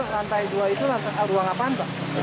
lantai dua itu ruang apaan pak